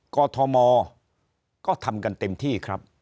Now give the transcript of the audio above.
กรทมก็ทำกันเต็มที่ครับ